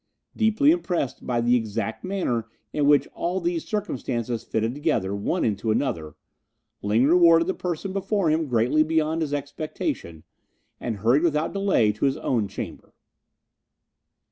Deeply impressed by the exact manner in which all these circumstances fitted together, one into another, Ling rewarded the person before him greatly beyond his expectation, and hurried without delay to his own chamber.